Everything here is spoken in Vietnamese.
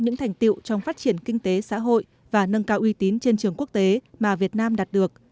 những thành tiệu trong phát triển kinh tế xã hội và nâng cao uy tín trên trường quốc tế mà việt nam đạt được